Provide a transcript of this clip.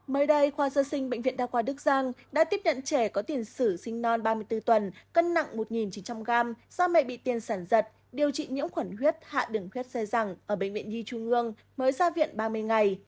mới đây khoa sơ sinh bệnh viện đa khoa đức giang đã tiếp nhận trẻ có tiền sử sinh non ba mươi bốn tuần cân nặng một chín trăm linh g do mẹ bị tiền sản giật điều trị nhiễm khuẩn huyết hạ đường huyết xe rẳng ở bệnh viện nhi trung ương mới ra viện ba mươi ngày